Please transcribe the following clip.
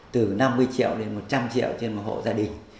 từ năm mươi triệu đến một trăm linh triệu trên một hộ gia đình